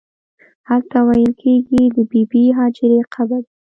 هلته ویل کېږي د بې بي هاجرې قبر دی.